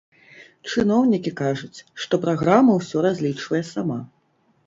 Чыноўнікі кажуць, што праграма ўсё разлічвае сама.